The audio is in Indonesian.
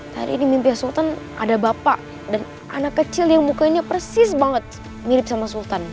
tadi ini mimpi sultan ada bapak dan anak kecil yang mukanya persis banget mirip sama sultan